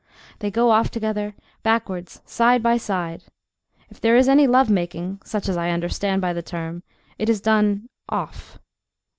They go off together, backwards, side by side. If there is any love making, such as I understand by the term, it is done "off."